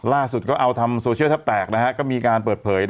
ล่าสุดก็เอาทำโซเชียลแทบแตกก็มีการเปิดเผย